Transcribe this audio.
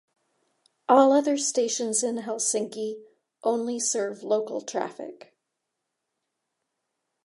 All other stations in Helsinki only serve local traffic.